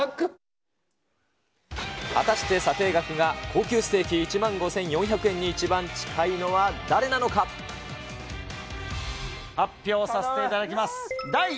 果たして査定額が高級ステーキ１万５４００円に一番近いのは発表させていただきます。